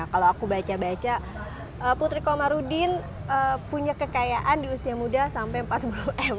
kalau aku baca baca putri komarudin punya kekayaan di usia muda sampai empat puluh m